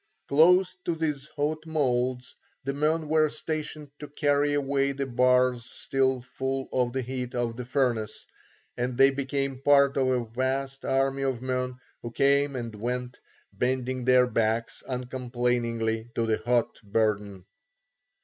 Close to these hot moulds the men were stationed to carry away the bars still full of the heat of the furnace, and they became part of a vast army of men who came and went, bending their backs uncomplainingly to the hot burden.